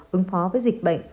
ứng phó với dịch bệnh